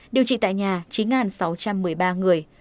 điều trị tại nhà chín sáu trăm một mươi ba người